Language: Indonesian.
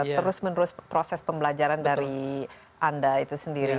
terus menerus proses pembelajaran dari anda itu sendiri